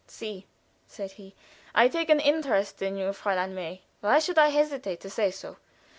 "See," said he, "I take an interest in you, Fräulein May. Why should I hesitate to say so?